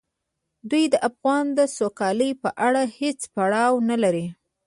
دوی د افغان د سوکالۍ په اړه هیڅ پروا نه لري.